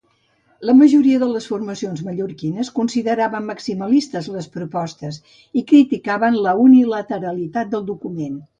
La majoria de formacions mallorquines consideraven maximalistes les propostes i criticaven la unilateralitat del document.